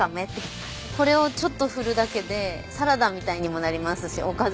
これをちょっと振るだけでサラダみたいにもなりますしおかず。